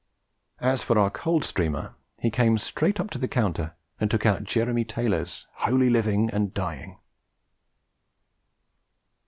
As for our Coldstreamer, he came straight up to the counter and took out Jeremy Taylor's Holy Living and Dying!